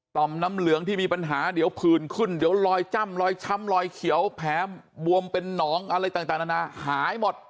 มน้ำเหลืองที่มีปัญหาเดี๋ยวผื่นขึ้นเดี๋ยวลอยจ้ำรอยช้ำรอยเขียวแผลบวมเป็นหนองอะไรต่างนานาหายหมด